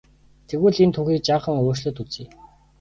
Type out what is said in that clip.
Тэгвэл энэ түүхийг жаахан өөрчлөөд үзье.